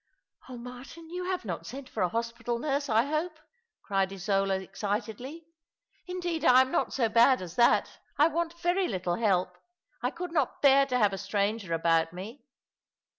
"Oh, Martin, you have not sent for a hospital nurse, I hope," cried Isola, excitedly. " Indeed I am not so bad as that. I want very little help. I could not bear to have a stranger about me."